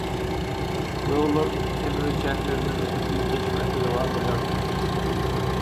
we olar hem öz çäklerinden ötede üýtgeşmä sezewar bolýardylar.